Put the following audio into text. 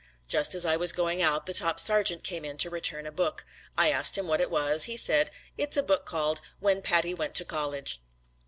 Just as I was going out the top sergeant came in to return a book. I asked him what it was. He said, "It's a book called 'When Patty Went to College.'"